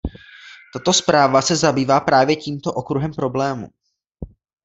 Tato zpráva se zabývá právě tímto okruhem problémů.